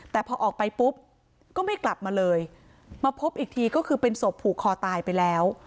แต่พอออกไปปุ๊บก็ไม่กลับมาเลยมาพบอีกทีก็คือเป็นศพผูกคอตายไปแล้ว